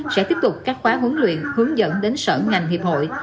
sẽ tiếp tục các khóa huấn luyện hướng dẫn đến sở ngành hiệp hội